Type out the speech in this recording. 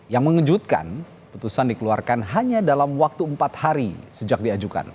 yang mengejutkan putusan dikeluarkan hanya dalam waktu empat hari sejak diajukan